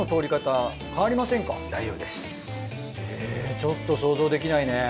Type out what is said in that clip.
ちょっと想像できないね。